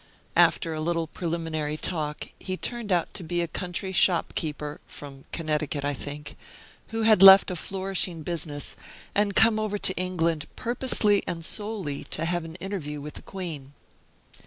After a little preliminary talk, he turned out to be a country shopkeeper (from Connecticut, I think), who had left a flourishing business, and come over to England purposely and solely to have an interview with the Queen.